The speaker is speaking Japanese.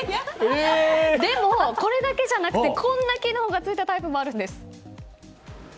でもこれだけじゃなくてこんな機能が付いたタイプもあるんです。